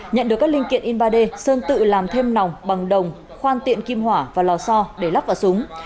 nhận được các linh kiện in ba d sơn tự làm thêm nòng bằng đồng khoan tiện kim hỏa và lò so để lắp vào súng